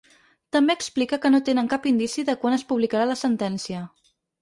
També explica que no tenen cap indici de quan es publicarà la sentència.